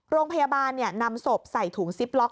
โรงพยาบาลนำศพใส่ถุงซิปล็อก